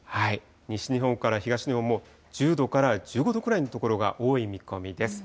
西日本から東日本も１０度から１５度くらいの所が多い見込みです。